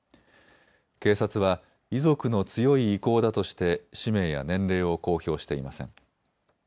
警察は遺族の強い意向だとして氏名や年齢を公表していません。